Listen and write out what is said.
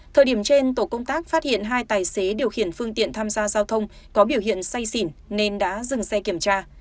thời điểm trên tổ công tác phát hiện hai tài xế điều khiển phương tiện tham gia giao thông có biểu hiện say xỉn nên đã dừng xe kiểm tra